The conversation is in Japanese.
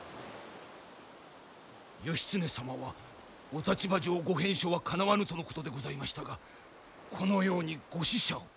義経様はお立場上ご返書はかなわぬとのことでございましたがこのようにご使者を。